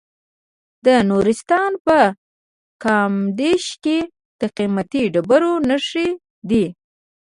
د نورستان په کامدیش کې د قیمتي ډبرو نښې دي.